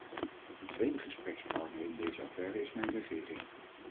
De tweede gesprekspartner in deze affaire is mijn regering.